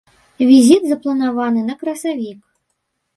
Візіт запланаваны на красавік.